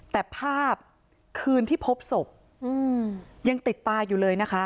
แต่ภาพคืนที่พบศพยังติดตาอยู่เลยนะคะ